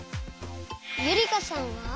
ゆりかさんは？